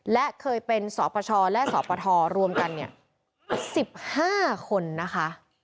และเคยเป็นสปชและสปทรวมกัน๑๕คนนะคะ